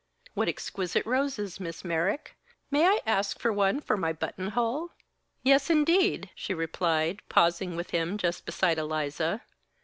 What exquisite roses, Miss Merrick! May I ask for one for my button hole?" "Yes, indeed!" she replied, pausing with him just beside Eliza.